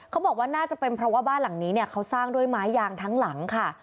เขาบอกว่าน่าจะเป็นเพราะว่าบ้านหลังนี้เนี่ยเขาสร้างด้วยไม้ยางทั้งหลังค่ะ